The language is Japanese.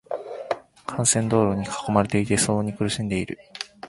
幹線道路に囲まれていて、騒音に苦しんでいる。